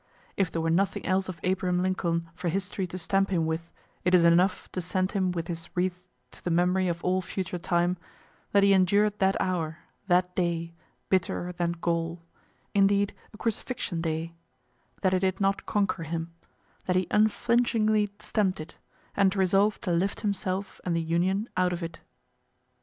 If there were nothing else of Abraham Lincoln for history to stamp him with, it is enough to send him with his wreath to the memory of all future time, that he endured that hour, that day, bitterer than gall indeed a crucifixion day that it did not conquer him that he unflinchingly stemm'd it, and resolv'd to lift himself and the Union out of it.